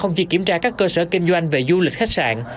không chỉ kiểm tra các cơ sở kinh doanh về du lịch khách sạn